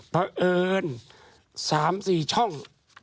เผอิญ๓๔ช่อง